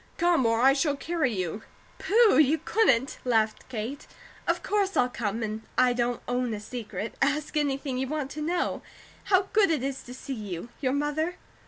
Come, or I shall carry you!" "Pooh! You couldn't!" laughed Kate. "Of course I'll come! And I don't own a secret. Ask anything you want to know. How good it is to see you! Your mother